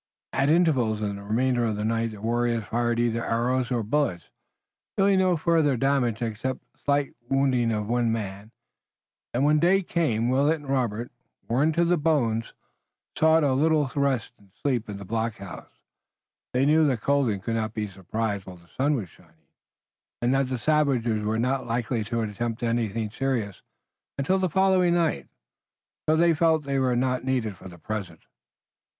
At intervals in the remainder of the night the warriors fired either arrows or bullets, doing no farther damage except the slight wounding of one man, and when day came Willet and Robert, worn to the bone, sought a little rest and sleep in the blockhouse. They knew that Golden could not be surprised while the sun was shining, and that the savages were not likely to attempt anything serious until the following night So they felt they were not needed for the present.